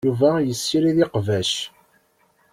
Yuba yessirid iqbac.